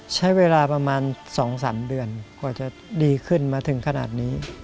ใช้เวลาประมาณ๒๓เดือนกว่าจะดีขึ้นมาถึงขนาดนี้